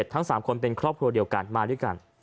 ทั้ง๓คนเป็นครอบครัวเดียวกันมาด้วยกัน